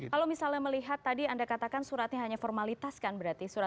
kalau misalnya melihat tadi anda katakan suratnya hanya formalitas kan berarti